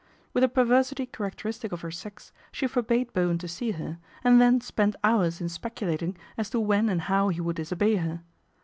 With a perversity characteristic of her sex, she forbade Bowen to see her, and then spent hours in speculating as to when and how he would disobey her.